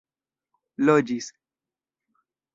loĝis